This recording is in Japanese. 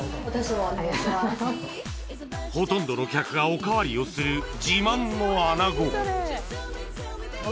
ほとんどの客がおかわりをする自慢の穴子！